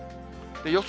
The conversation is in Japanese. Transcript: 予想